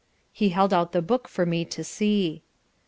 He held out the book for me to see.